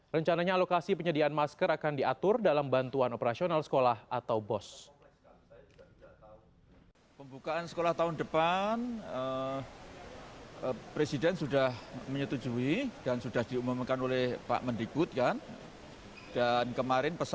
rencananya lokasi penyediaan masker akan diatur dalam bantuan operasional sekolah atau bos